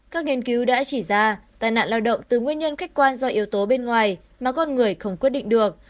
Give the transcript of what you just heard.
các nghiên cứu đã chỉ ra tai nạn lao động từ nguyên nhân khách quan do yếu tố bên ngoài mà con người không quyết định được